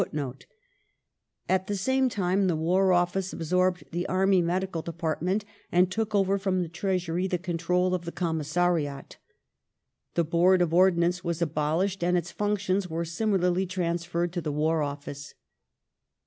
^ At the same time the War Office absorbed the Army Medical Department and took over from the Treasury the control of the Commissariat. The Board of Ordnance was abolished and its ./ functions were similarly transferred to the War Office.